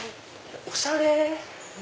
おしゃれ！